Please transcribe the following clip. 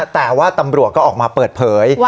แต่ว่าตำรวจก็ออกมาเปิดเผย